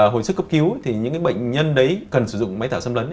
hồi sức cấp cứu thì những cái bệnh nhân đấy cần sử dụng máy thở xâm lấn